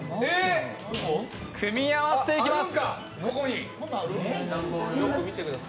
組み合わせていきます。